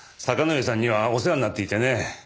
坂之上さんにはお世話になっていてね。